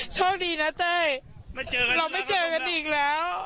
โทษสวัสดีนะเต้ย